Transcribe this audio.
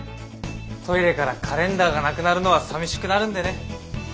トイレからカレンダーがなくなるのはさみしくなるんでね。